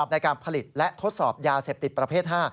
ในการผลิตและทดสอบยาเสพติดประเภท๕